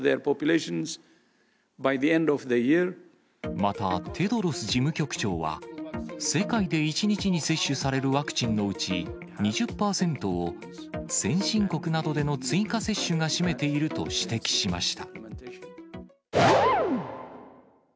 また、テドロス事務局長は世界で１日に接種されるワクチンのうち２０％を先進国などでの追加接種が占めていると指摘しました。